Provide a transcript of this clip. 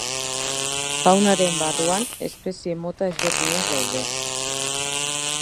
Faunaren barruan espezie mota ezberdinak daude.